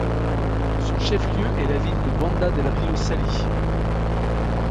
Son chef-lieu est la ville de Banda del Río Salí.